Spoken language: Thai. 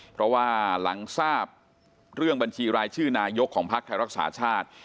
เพราะว่าหลังทราบเรื่องบัญชีรายชื่อนายกของพักไทยรักษาชาติ